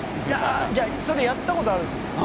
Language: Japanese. それやったことあるんですよ。